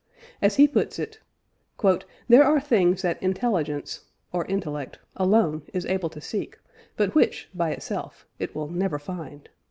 As he puts it: "There are things that Intelligence (or intellect) alone is able to seek, but which, by itself, it will never find.